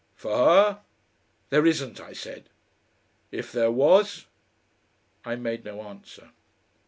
"For her?" "There isn't," I said. "If there was?" I made no answer.